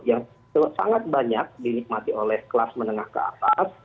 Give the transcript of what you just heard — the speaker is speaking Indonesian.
yang sangat banyak dinikmati oleh kelas menengah ke atas